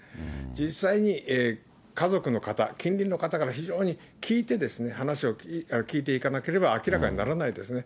実際に家族の方、近隣の方から非常に聞いて、話を聞いていかなければ明らかにならないですね。